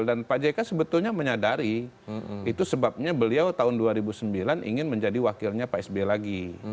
dan pak jk sebetulnya menyadari itu sebabnya beliau tahun dua ribu sembilan ingin menjadi wakilnya pak sby lagi